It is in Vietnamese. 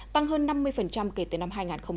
tăng hơn năm mươi kể từ năm hai nghìn một mươi